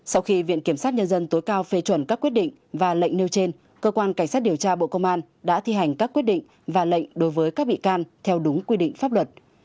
sau khi viện kiểm sát nhân dân tối cao phê chuẩn các quyết định và lệnh nêu trên cơ quan cảnh sát điều tra bộ công an đã thi hành các quyết định và lệnh đối với các bị can theo đúng quy định pháp luật